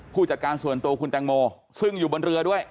ผู้จัดการส่วนตัวคุณแตงโมซึ่งอยู่บนเรือด้วย